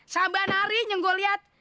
sambahan harinya gue liat